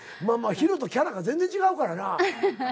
まあＨＩＲＯとキャラが全然違うからな。